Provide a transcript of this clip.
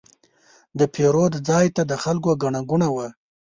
د پیرود ځای ته د خلکو ګڼه ګوڼه وه.